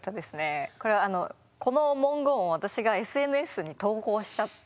これこの文言を私がＳＮＳに投稿しちゃったんですよね。